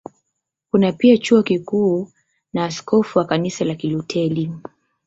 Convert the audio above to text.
Kuna pia Chuo Kikuu na askofu wa Kanisa la Kilutheri.